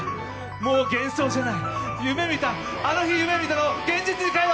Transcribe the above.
もう幻想じゃない、あの日夢見たのを現実に変えろ。